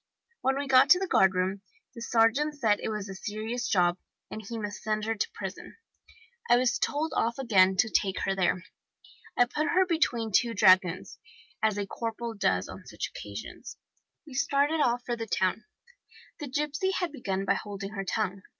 When we got to the guardroom the sergeant said it was a serious job, and he must send her to prison. I was told off again to take her there. I put her between two dragoons, as a corporal does on such occasions. We started off for the town. The gipsy had begun by holding her tongue.